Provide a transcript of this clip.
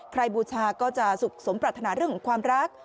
บูชาก็จะสุขสมปรัฐนาเรื่องของความรัก